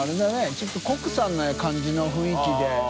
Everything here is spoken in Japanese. ちょっとコックさんな感じの雰囲気で。